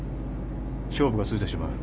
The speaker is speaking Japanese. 勝負がついてしまう。